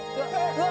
うわ！